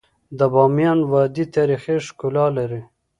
د بامیان وادی تاریخي ښکلا لري.